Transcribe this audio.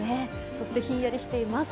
そしてひんやりしています。